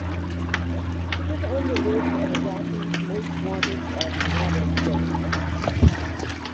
He was on the list of Iraqis most wanted by the United States.